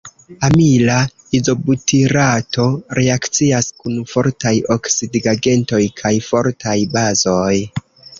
Amila izobutirato reakcias kun fortaj oksidigagentoj kaj fortaj bazoj.